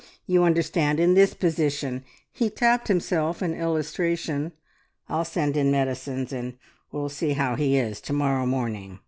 You understand, in this position," he tapped himself in illustration. "I'll send in medicines, and we'll see how he is to morrow morning.